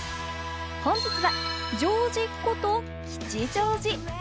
本日はジョージこと、吉祥寺。